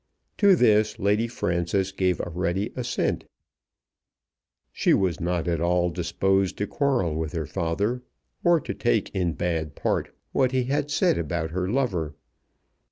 To this Lady Frances gave a ready assent. She was not at all disposed to quarrel with her father, or to take in bad part what he had said about her lover.